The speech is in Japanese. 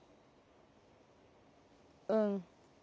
うん。